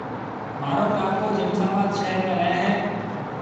مهارو ڪاڪو جمساباد شهر ۾ رهيَ هيَ۔